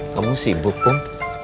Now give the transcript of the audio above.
kamu sibuk pak